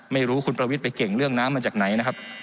ไม่รู้คุณประวิทย์ไปเก่งเรื่องน้ำมาจากไหนนะครับ